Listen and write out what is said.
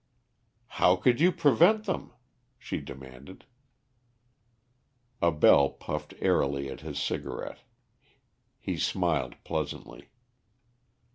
"How could you prevent them?" she demanded. Abell puffed airily at his cigarette. He smiled pleasantly.